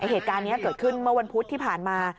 เหตุการณ์นี้เกิดขึ้นเมื่อวันพุธที่ผ่านมา